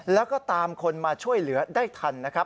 แล้วก็ตามคนมาช่วยเหลือได้ทันนะครับ